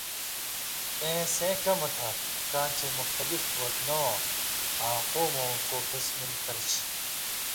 اېں سېں کمہۡ تھہ کاں چے مختلف وطنؤں آں قومؤں کوکسی مِل کر چھی۔